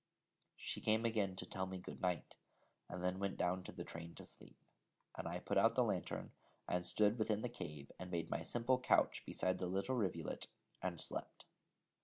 She came again to tell me good night, and then went down to the train to sleep; and I put out the lantern, and stooped within the cave, and made my simple couch beside the little rivulet, and slept.